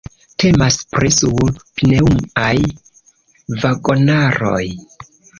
Temas pri sur-pneŭaj vagonaroj.